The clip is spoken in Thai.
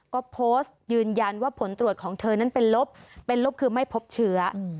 ก็โพสต์ยืนยันว่าผลตรวจของเธอนั้นเป็นลบเป็นลบคือไม่พบเชื้อ